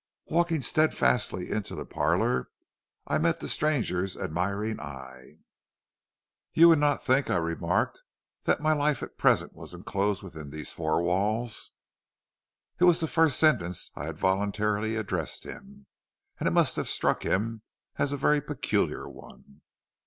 "Walking steadfastly into the parlor, I met the stranger's admiring eye. "'You would not think,' I remarked, 'that my life at present was enclosed within these four walls.' "It was the first sentence I had voluntarily addressed him, and it must have struck him as a very peculiar one.